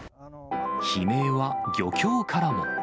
悲鳴は漁協からも。